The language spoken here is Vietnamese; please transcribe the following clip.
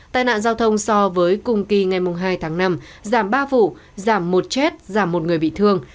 tai nạn giao thông so với cùng kỳ ngày hai tháng năm giảm ba vụ giảm một chết giảm một người bị thương